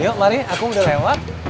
yuk mari aku udah lewat